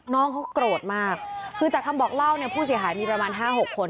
น้องเขาโกรธมากคือจากคำบอกเล่าเนี่ยผู้เสียหายมีประมาณ๕๖คน